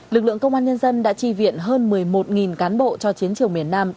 lực lượng công an nhân dân đã chi viện hơn một mươi một cán bộ cho chiến trường miền nam